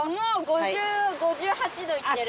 ５０５８度いってる！